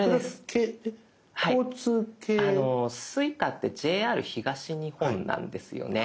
ＳｕｉｃａってＪＲ東日本なんですよね。